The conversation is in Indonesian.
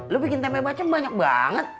lo bikin tempe macam banyak banget